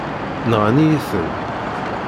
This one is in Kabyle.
Nɣan-iyi-ten.